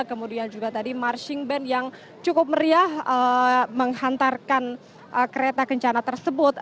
kemudian juga tadi marching band yang cukup meriah menghantarkan kereta kencana tersebut